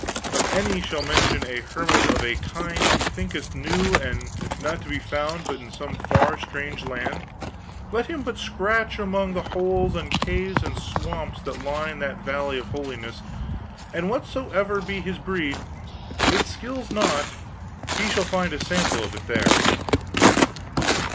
If any shall mention a hermit of a kind he thinketh new and not to be found but in some far strange land, let him but scratch among the holes and caves and swamps that line that Valley of Holiness, and whatsoever be his breed, it skills not, he shall find a sample of it there."